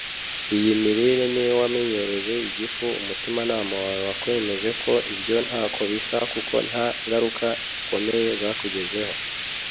iyi mirire ni yo wamenyereje igifu. umutimanama wawe wakwemeje ko ibyo ntako bisa, kuko nta ngaruka zikomeye zakugezeho